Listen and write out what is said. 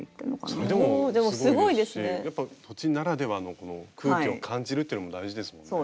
それでもすごいですしやっぱ土地ならではの空気を感じるっていうのも大事ですもんね。